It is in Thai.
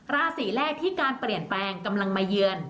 ราศีแรกที่การเปลี่ยนแปลงกำลังมาเยือน